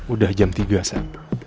udah jam tiga sat